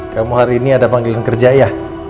kamu hari ini ada panggilan kerja ya